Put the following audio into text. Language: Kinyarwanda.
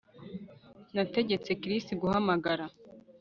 Nategetse Chris guhamagara